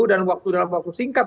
dan waktu dalam waktu singkat